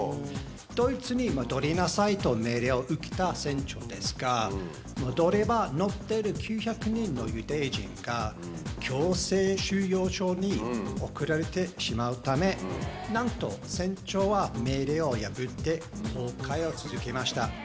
ドイツに戻りなさいと命令を受けた船長ですが、戻れば乗っている９００人のユダヤ人が、強制収容所に送られてしまうため、なんと、船長は命令を破って航海を続けました。